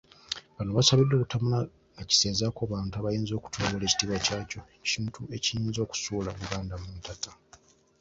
Bano basabiddwa obutamala gakisenzaako abantu abayinza okutyoboola ekitiibwa kyakyo, ekintu ekiyinza okusuula Buganda muntata.